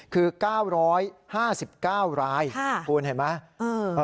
คือ๙๕๙รายคุณเห็นไหม